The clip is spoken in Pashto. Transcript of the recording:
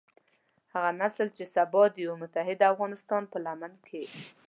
هغه نسل چې سبا د يوه متحد افغانستان په لمن کې.